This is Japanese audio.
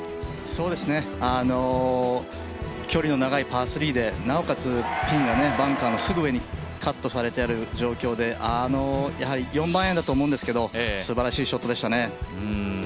距離の長いパー３でなおかつピンがバンカーのすぐ上にカットされている状況で４番アイアンだと思うんですけれども、すばらしいショットでしたね。